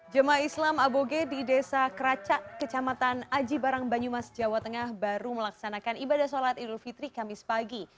jemaah islam aboge di desa keraca kecamatan aji barang banyumas jawa tengah baru melaksanakan ibadah sholat idul fitri kamis pagi